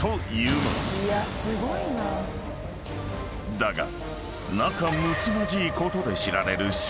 ［だが仲むつまじいことで知られる姉妹］